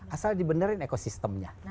asal dibenerin ekosistemnya